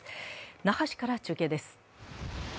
那覇市から中継です。